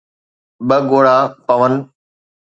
ٻه ڳوڙها پوڻ